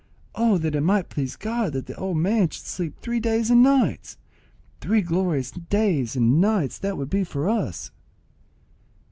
Oh, that it might please God that the old man should sleep three days and nights! Three glorious days and nights they would be for us."